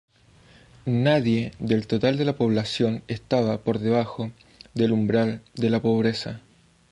Nadie del total de la población estaba por debajo del umbral de pobreza.